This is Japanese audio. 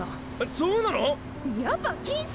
そうなの⁉やっぱ禁止！